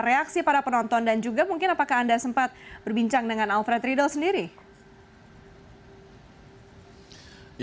reaksi para penonton dan juga mungkin apakah anda sempat berbincang dengan alfred riedel sendiri